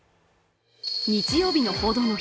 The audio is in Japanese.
日曜日の「報道の日」